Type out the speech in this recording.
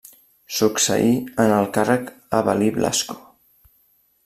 Succeí en el càrrec Avel·lí Blasco.